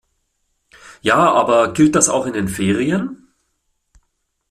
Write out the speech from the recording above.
Ja, aber gilt das auch in den Ferien?